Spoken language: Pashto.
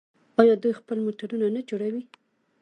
آیا دوی خپل موټرونه نه جوړوي؟